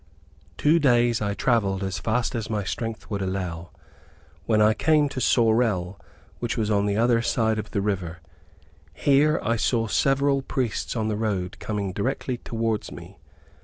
Two days I travelled as fast as my strength would allow, when I came to Sorel, which was on the other side of the river. Here I saw several priests on the road coming directly towards me.